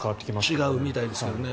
違うみたいですからね。